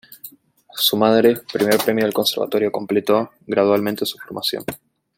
Su madre, primer premio del conservatorio completó gradualmente su formación.